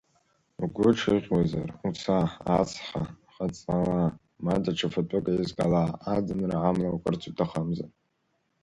Угәы ҿыӷьуазар, уца, ацха ҟаҵала ма даҽа фатәык еизгала, аӡынра амла уакырц уҭахымзар.